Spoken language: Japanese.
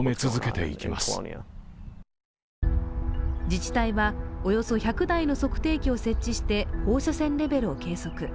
自治体は、およそ１００台の測定器を設置して放射線レベルを計測。